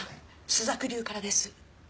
朱雀流からです。